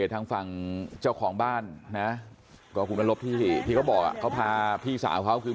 ทางฝั่งเจ้าของบ้านนะเพียวเขาบอกว่าเขาพาพี่สาวที่